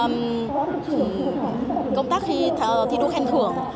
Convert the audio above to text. như công tác thi đua khen khưởng